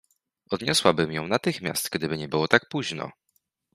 Odniosłabym ją natychmiast, gdyby nie było tak późno.